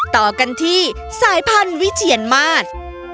ต่อกันที่สายพันธุ์วิเทียนมาส